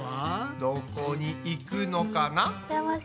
どこに行くのかな？